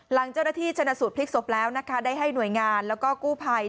หลังเจ้าหน้าที่ชนะสูตรพลิกศพแล้วนะคะได้ให้หน่วยงานแล้วก็กู้ภัย